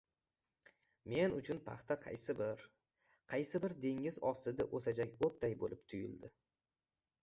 Men uchun paxta qaysi bir... qaysi bir dengiz ostidao‘sajako‘tday bo‘lib tuyuldi.